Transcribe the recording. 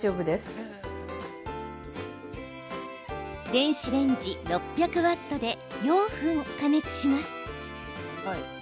電子レンジ６００ワットで４分、加熱します。